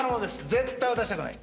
絶対渡したくない。